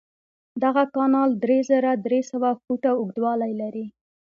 دغه کانال درې زره درې سوه فوټه اوږدوالی لري.